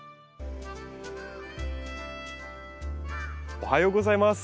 おはようございます。